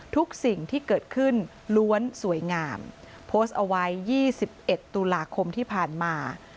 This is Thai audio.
สิ่งที่เกิดขึ้นล้วนสวยงามโพสต์เอาไว้๒๑ตุลาคมที่ผ่านมา